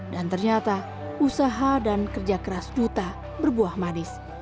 dan ternyata usaha dan kerja keras duta berbuah manis